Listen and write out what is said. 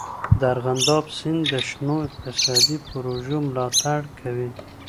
د ارغنداب سیند د شنو اقتصادي پروژو ملاتړ کوي.